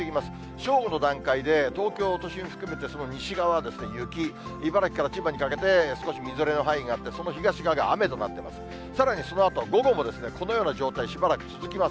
正午の段階で、東京都心含めて、その西側は雪、茨城から千葉にかけて少しみぞれの範囲があって、その東側が雨となっています。